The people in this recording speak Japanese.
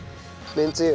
めんつゆ。